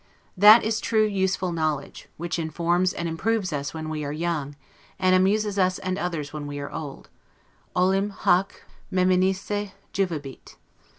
That is the true useful knowledge, which informs and improves us when we are young, and amuses us and others when we are old; 'Olim haec meminisse juvabit'.